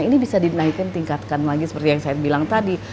ini bisa dinaikkan tingkatkan lagi seperti yang saya bilang tadi